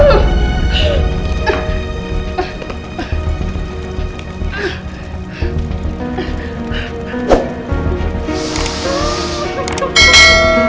oh jadi gitu